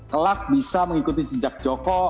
kelak bisa mengikuti jejak joko